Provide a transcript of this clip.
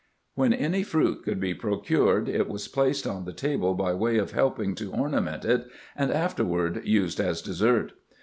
When any fruit could be procured, it was placed on the table by way of helping to ornament it, and after ward used as dessert.